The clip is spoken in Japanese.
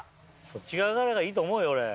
そっち側からがいいと思うよ俺。